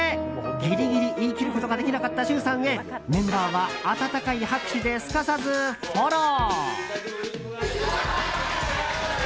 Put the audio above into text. ギリギリ言い切ることができなかった許さんへメンバーは温かい拍手ですかさずフォロー。